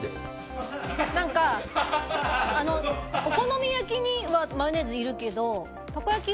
何か、お好み焼きにはマヨネーズいるけどたこ焼き